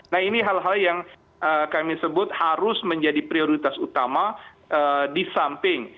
nah ini hal hal yang kami sebut harus menjadi prioritas utama di samping